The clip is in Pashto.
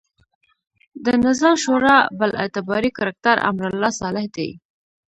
د نظار شورا بل اعتباري کرکټر امرالله صالح دی.